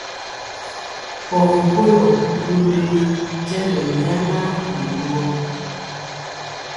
Pɔgi kɔlo lumili jendɔ nyana nɛ lugɔ.